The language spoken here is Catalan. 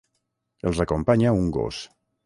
Els acompanya un gos.